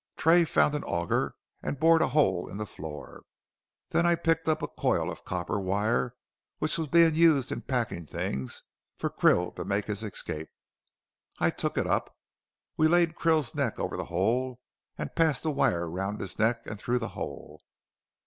Tray found an auger and bored a hole in the floor. Then I picked up a coil of copper wire, which was being used in packing things for Krill to make his escape. I took it up. We laid Krill's neck over the hole, and passed the wire round his neck and through the hole.